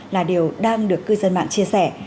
là điều đang được cư dân mạng chia sẻ